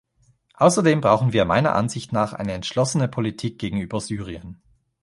Außerdem brauchen wir meiner Ansicht nach eine entschlossene Politik gegenüber Syrien.